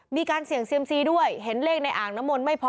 มีการเสี่ยงเซียมซีด้วยเห็นเลขในอ่างน้ำมนต์ไม่พอ